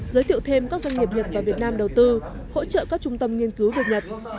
giới thiệu thêm các doanh nghiệp nhật và việt nam đầu tư hỗ trợ các trung tâm nghiên cứu việt nhật